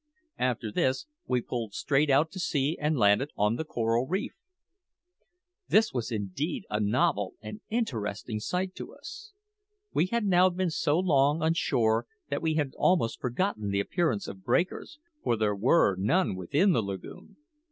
After this we pulled straight out to sea, and landed on the coral reef. This was indeed a novel and interesting sight to us. We had now been so long on shore that we had almost forgotten the appearance of breakers, for there were none within the lagoon.